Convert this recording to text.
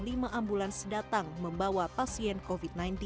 rata rata lima belas ambulans datang membawa pasien covid sembilan belas